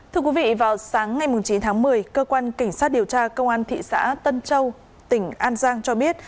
thưa quý vị vào sáng ngày chín tháng một mươi cơ quan cảnh sát điều tra công an thị xã tân châu tỉnh an giang cho biết